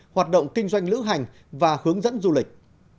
hoạt động kinh doanh lữ hành và hướng dẫn du lịch